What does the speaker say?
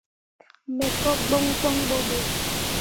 Me ko gboŋ gboŋ ɓo ɓe.